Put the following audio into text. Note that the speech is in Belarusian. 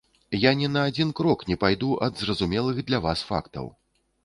Я ні на адзін крок не пайду ад зразумелых для вас фактаў.